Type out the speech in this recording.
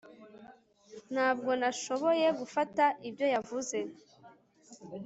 Ntabwo nashoboye gufata ibyo yavuze